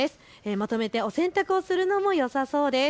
まとめてお洗濯をするのもよさそうです。